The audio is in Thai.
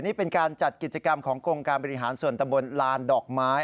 นี่เป็นการจัดกิจกรรมของกรมการบริหารส่วนตะบนลานดอกไม้